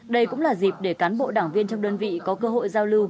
đây cũng là dịp để cán bộ đảng viên trong đơn vị có cơ hội giao lưu